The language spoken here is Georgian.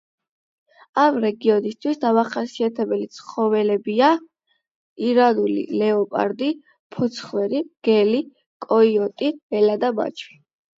ამ რეგიონისთვის დამახასიათებელი ცხოველებია: ირანული ლეოპარდი, ფოცხვერი, მგელი, კოიოტი, მელა და მაჩვი.